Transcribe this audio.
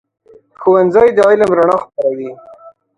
ښوونځی د علم رڼا خپروي.